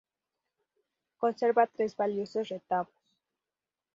Conserva tres valiosos retablos.